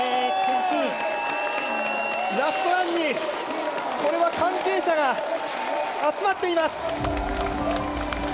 ラストランにこれは関係者が集まっています。